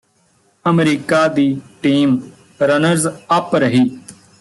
America ਦੀ team runners up ਰਹੀ